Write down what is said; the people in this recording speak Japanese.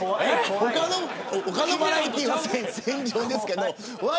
他のバラエティーは戦場ですけど。